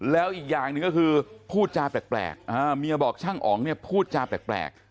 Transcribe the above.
แล้วอีกอย่างหนึ่งก็คือพูดจาแปลกเมียบอกช่างอ๋องเนี่ยพูดจาแปลก